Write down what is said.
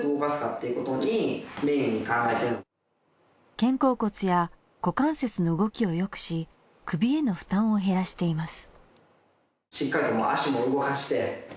肩甲骨や股関節の動きをよくし首への負担を減らしています。